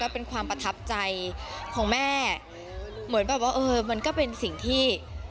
เป็นความประทับใจของแม่เหมือนแบบว่าเออมันก็เป็นสิ่งที่